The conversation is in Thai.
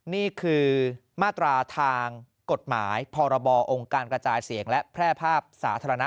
นี่คือมาตราทางกฎหมายพรบองค์การกระจายเสียงและแพร่ภาพสาธารณะ